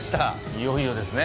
いよいよですね。